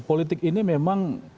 politik ini memang